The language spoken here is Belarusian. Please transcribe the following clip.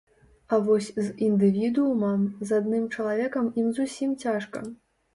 А вось з індывідуумам, з адным чалавекам ім зусім цяжка.